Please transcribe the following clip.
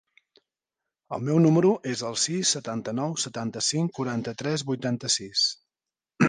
El meu número es el sis, setanta-nou, setanta-cinc, quaranta-tres, vuitanta-sis.